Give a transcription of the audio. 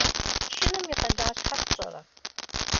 Чыным и къалащхьэр пщӏэрэ?